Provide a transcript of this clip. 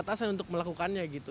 terbatasan untuk melakukannya gitu